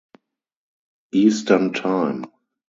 Eastern time.